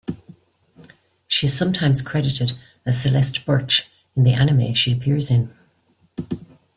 She is sometimes credited as Celeste Burch in the anime she appears in.